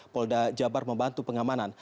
polda jabar membantu pengamanan